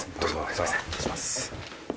すいません失礼します。